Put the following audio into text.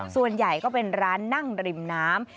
ส่วนใหญ่ก็เป็นร้านนั่งริมน้ำ